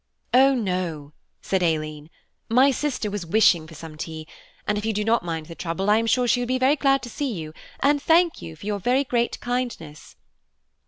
"Oh no," said Aileen; "my sister was wishing for some tea, and if you do not mind the trouble, I am sure she would be very glad to see you, and thank you for your very great kindness."